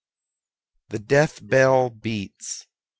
The death bell beats!